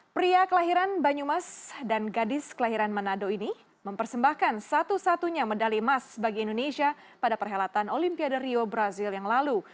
pria kelahiran banyumas dan gadis kelahiran manado ini mempersembahkan satu satunya medali emas bagi indonesia pada perhelatan olimpiade rio brazil yang lalu